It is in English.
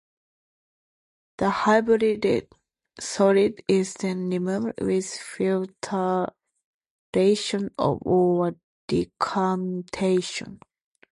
The hydrated solid is then removed with filtration or decantation.